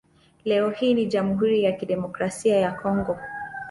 Leo hii ni Jamhuri ya Kidemokrasia ya Kongo.